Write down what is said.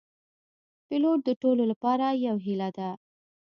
پیلوټ د ټولو لپاره یو هیله ده.